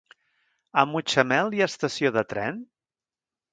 A Mutxamel hi ha estació de tren?